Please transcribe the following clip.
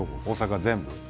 大阪全部？